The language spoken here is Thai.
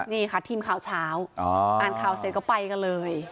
นี่ค่ะทีมข่าวเช้าอ่านข่าวเสร็จก็ไปกันเลย